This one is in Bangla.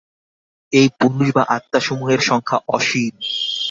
এই পুরুষ বা আত্মা-সমূহের সংখ্যা অসীম।